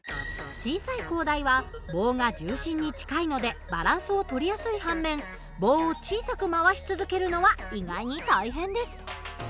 小さい高台は棒が重心に近いのでバランスを取りやすい反面棒を小さく回し続けるのは意外に大変です。